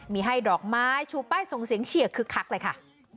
มีให้ดอกไม้ชูป้ายส่งเสียงเชียร์คึกคักเลยค่ะ